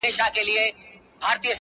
• دعا ، دعا ، دعا ،دعا كومه.